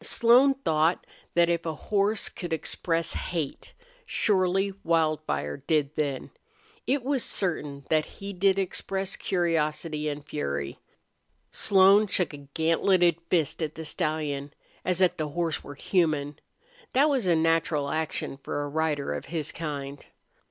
Slone thought that if a horse could express hate, surely Wildfire did then. It was certain that he did express curiosity and fury. Slone shook a gantleted fist at the stallion, as if the horse were human. That was a natural action for a rider of his kind.